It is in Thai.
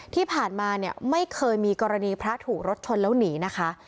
ที่ผ่านมาเนี่ยไม่เคยมีกรณีพระถูกรถชนแล้วหนีนะคะ